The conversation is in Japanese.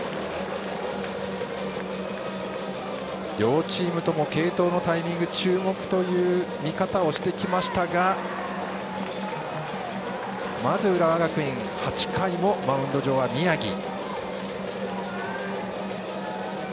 両チームとも継投のタイミングを注目という見方をしてきましたがまず浦和学院、８回もマウンド上は宮城。